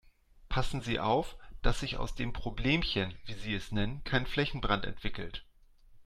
Passen Sie auf, dass sich aus dem Problemchen, wie Sie es nennen, kein Flächenbrand entwickelt.